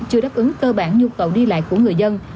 chưa đáp ứng cơ bản nhu cầu đi lại của người dân